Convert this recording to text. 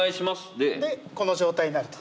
でこの状態になると。